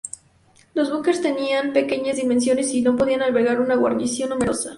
Los búnkers tenían pequeñas dimensiones, y no podían albergar una guarnición numerosa.